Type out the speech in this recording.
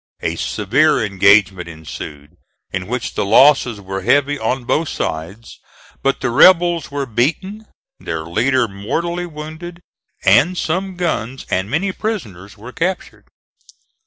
A severe engagement ensued in which the losses were heavy on both sides, but the rebels were beaten, their leader mortally wounded, and some guns and many prisoners were captured.